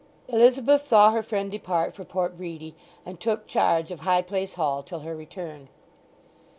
Elizabeth saw her friend depart for Port Bredy, and took charge of High Place Hall till her return.